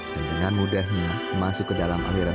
dan dengan mudahnya masuk ke dalam aliran